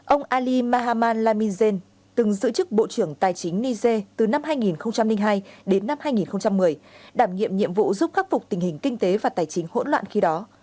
ông ali mahamad lamizhen từng giữ chức bộ trưởng tài chính niger từ năm hai nghìn hai đến năm hai nghìn một mươi đảm nhiệm nhiệm vụ giúp khắc phục tình hình kinh tế và tài chính hỗn loạn khi đó